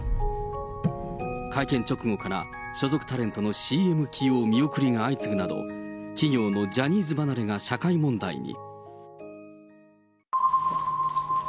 会見直後から、所属タレントのＣＭ起用見送りが相次ぐなど、企業のジャニーズ離れが社会問題に。